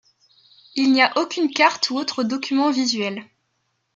Il n'y a aucune carte ou autre document visuel.